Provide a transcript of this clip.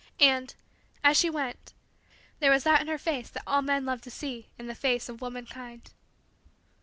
And, as she went, there was that in her face that all men love to see in the face of womankind.